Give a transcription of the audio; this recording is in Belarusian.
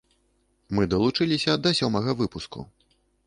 Мы далучыліся да сёмага выпуску.